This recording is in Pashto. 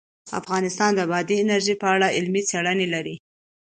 افغانستان د بادي انرژي په اړه علمي څېړنې لري.